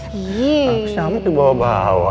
harus nyamuk dibawa bawa